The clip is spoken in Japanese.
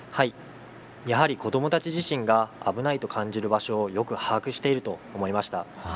やはり子どもたち自身が危ないと感じる場所をよく把握していると思いました。